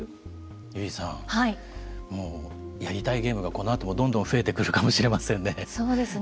結さんやりたいゲームがこのあともどんどん増えてくるかもしれないですね。